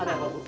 ada apa bu